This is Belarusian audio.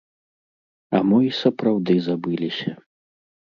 А мо і сапраўды забыліся.